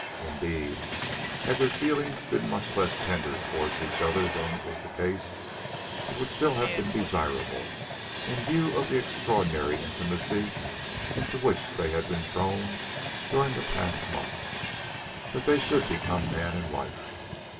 Indeed, had their feelings been much less tender towards each other than was the case, it would still have been desirable, in view of the extraordinary intimacy into which they had been thrown during the past months, that they should become man and wife.